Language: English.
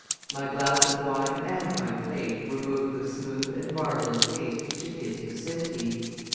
My glass of wine and my plate were moved with smooth and marvelous haste to his vicinity.